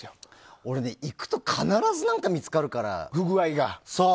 俺ね、行くと必ず何か見つかるから。